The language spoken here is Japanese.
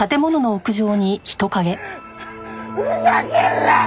ふざけんな！